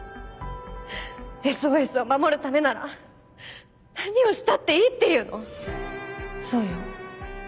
「ＳＯＳ」を守るためなら何をしたっていいっていうの⁉そうよ。